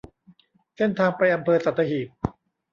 เส้นทางไปอำเภอสัตหีบ